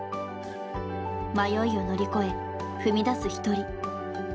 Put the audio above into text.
迷いを乗り越え踏み出す一人。